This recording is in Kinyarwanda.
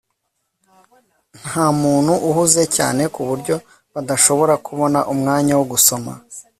Ntamuntu uhuze cyane kuburyo badashobora kubona umwanya wo gusoma